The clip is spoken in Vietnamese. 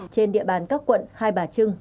trên địa bàn các quận hai bà trưng